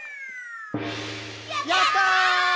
「やったー！！」